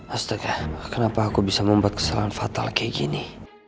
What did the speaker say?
astaga kenapa aku bisa membuat kesalahan fatal kayak gini